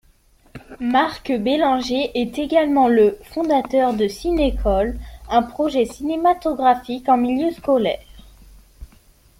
Marc Bélanger est également le fondateur de Cinécole, un projet cinématographique en milieu scolaire.